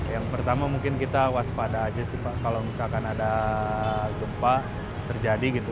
yang pertama mungkin kita waspada aja sih kalau misalkan ada gempa terjadi gitu